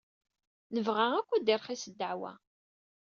Nebɣa akk ad d-tirxis ddeɛwa.